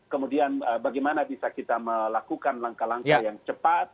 kemudian bagaimana bisa kita melakukan langkah langkah yang cepat